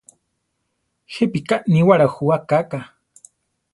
¿Jepíka níwara jú akáka?